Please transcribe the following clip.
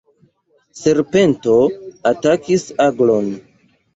Serpento atakis aglon.